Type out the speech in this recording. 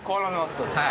はい。